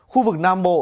khu vực nam bộ